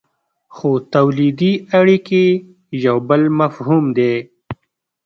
خو تولیدي اړیکې یو بل مفهوم دی.